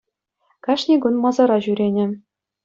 Кашни кун масара ҫӳренӗ